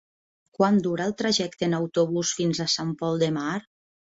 Quant dura el trajecte en autobús fins a Sant Pol de Mar?